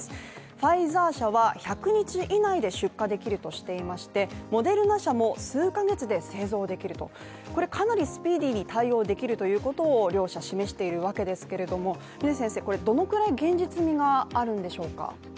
ファイザー社は１００日以内で出荷できるとしていましてモデルナ社も数カ月で製造できると、これかなりスピーディーに対応できると両者、示しているわけですがどのくらい現実味があるんでしょうか。